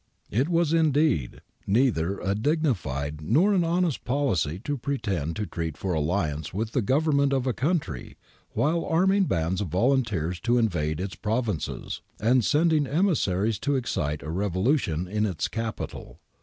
It was indeed, neither a dignified nor an honest policy to pretend to treat for alliance with the Government of a country while arming bands of volunteers to invade its provinces, and sending emissaries to excite a revolu tion in its capital.